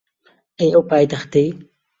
ئەی ئەو پایتەختەی